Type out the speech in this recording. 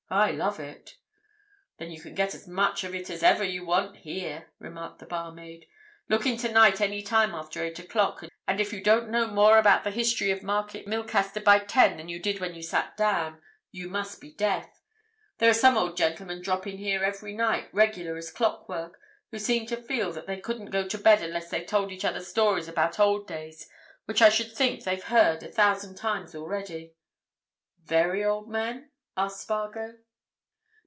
"I love it!" "Then you can get as much of it as ever you want here," remarked the barmaid. "Look in tonight any time after eight o'clock, and if you don't know more about the history of Market Milcaster by ten than you did when you sat down, you must be deaf. There are some old gentlemen drop in here every night, regular as clockwork, who seem to feel that they couldn't go to bed unless they've told each other stories about old days which I should think they've heard a thousand times already!" "Very old men?" asked Spargo.